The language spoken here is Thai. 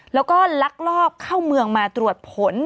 แล้วก็ลักลอบเข้าเมืองมาตรวจผล